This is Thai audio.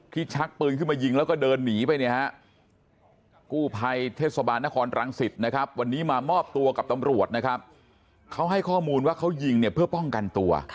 ที่ชักปืนขึ้นมายิงแล้วก็เดินหนีไปเนี่ยฮะ